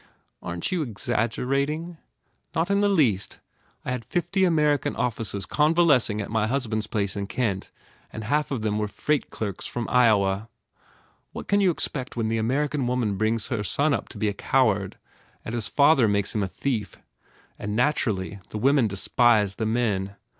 "Aren t you exag " "Not in the least. I had fifty American offi cers convalescing at my husband s place in Kent and half of them were freight clerks from Iowa. What can you expect when the American woman brings her son up to be a coward and his father makes him a thief? And naturally the women despise the men.